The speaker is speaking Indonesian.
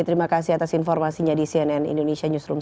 terima kasih atas informasinya di cnn indonesia newsroom